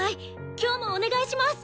今日もお願いします！